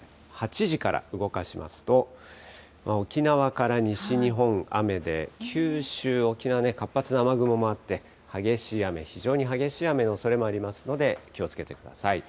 ８時から動かしますと、沖縄から西日本雨で、九州、沖縄、活発な雨雲もあって、激しい雨、非常に激しい雨のおそれもありますので、気をつけてください。